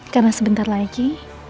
karena sebentar lagi